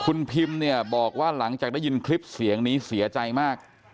คุณพิมเนี่ยบอกว่าหลังจากได้ยินคลิปเสียงนี้เสียใจมาก